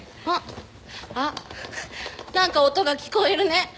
あっあっ何か音が聞こえるね。